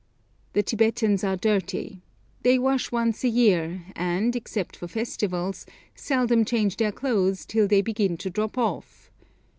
The Tibetans are dirty. They wash once a year, and, except for festivals, seldom change their clothes till they begin to drop off.